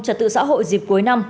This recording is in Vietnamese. trật tự xã hội dịp cuối năm